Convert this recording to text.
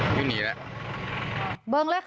อยู่หนีแล้ว